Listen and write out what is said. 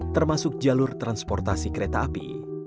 termasuk jalur transportasi kereta api